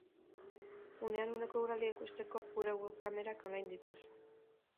Unean uneko eguraldia ikusteko, gure web-kamerak online dituzu.